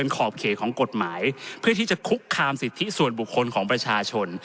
ขอบเขตของกฎหมายเพื่อที่จะคุกคามสิทธิส่วนบุคคลของประชาชน